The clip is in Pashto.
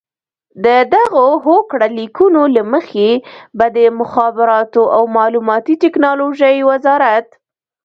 د دغو هوکړه لیکونو له مخې به د مخابراتو او معلوماتي ټکنالوژۍ وزارت